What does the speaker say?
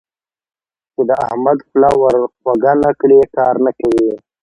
چې د احمد خوله ور خوږه نه کړې؛ کار نه کوي.